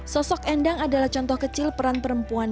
sosok endang adalah contoh kecil peran perempuan